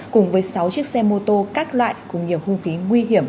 cùng với sáu chiếc xe mô tô các loại cùng nhiều hung khí nguy hiểm